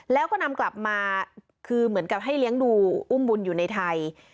แล้วก็นำกลับมาคือเหมือนกับให้เลี้ยงดูอุ้มบุญอยู่ในไทย